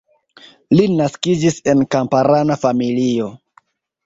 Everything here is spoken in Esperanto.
Li naskiĝis en kamparana familio.